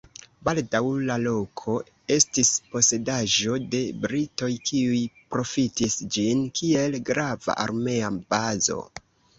Baldaŭ la loko estis posedaĵo de britoj, kiuj profitis ĝin kiel grava armea bazo.